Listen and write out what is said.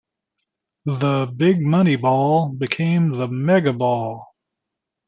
The "Big Money Ball" became the "Mega Ball.